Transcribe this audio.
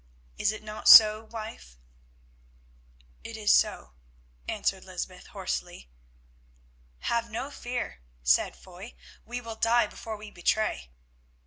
Is it not so, wife?" "It is so," answered Lysbeth hoarsely. "Have no fear," said Foy. "We will die before we betray."